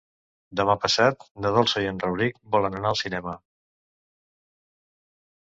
Demà passat na Dolça i en Rauric volen anar al cinema.